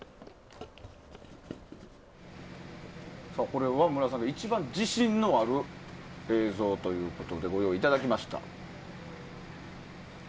これは武良さんが一番自信のある映像ということでご用意いただきました。